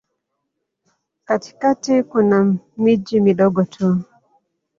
Katikati kuna miji midogo tu.